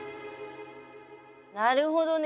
なるほどね。